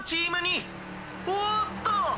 おおっと！